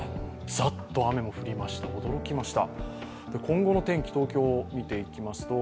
ザッと雨も降りました、驚きました。